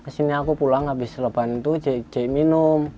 sini aku pulang abis leban itu j j minum